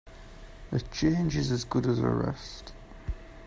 A change is as good as a rest.